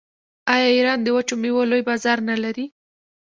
آیا ایران د وچو میوو لوی بازار نلري؟